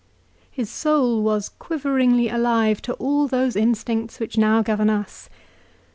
His soul was quiveringly alive to all those instincts which now govern us.